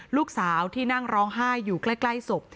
ลูกสาวที่นั่งร้องไห้อยู่ใกล้ศพ